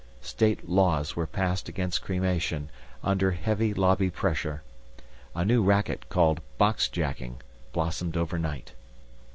State laws were passed against cremation, under heavy lobby pressure. A new racket, called boxjacking, blossomed overnight.